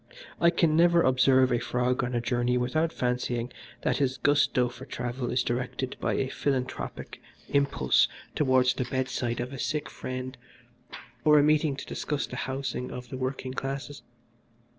I can never observe a frog on a journey without fancying that his gusto for travel is directed by a philanthropic impulse towards the bedside of a sick friend or a meeting to discuss the Housing of the Working Classes.